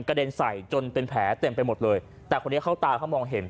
เด็นใส่จนเป็นแผลเต็มไปหมดเลยแต่คนนี้เข้าตาเขามองเห็น